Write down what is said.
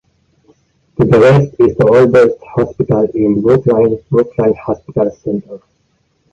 To the west is the oldest hospital in Brooklyn, Brooklyn Hospital Center.